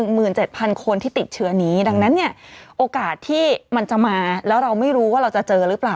หมื่นเจ็ดพันคนที่ติดเชื้อนี้ดังนั้นเนี่ยโอกาสที่มันจะมาแล้วเราไม่รู้ว่าเราจะเจอหรือเปล่า